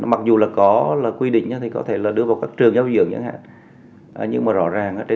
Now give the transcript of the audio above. mặc dù có quy định có thể đưa vào các trường giáo dưỡng